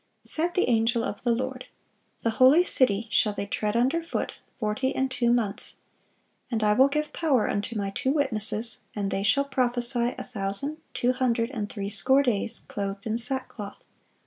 Said the angel of the Lord: "The holy city shall they tread under foot forty and two months. And I will give power unto My two witnesses, and they shall prophesy a thousand two hundred and threescore days, clothed in sackcloth....